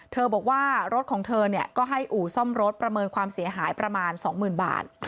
บอกว่ารถของเธอก็ให้อู่ซ่อมรถประเมินความเสียหายประมาณ๒๐๐๐บาท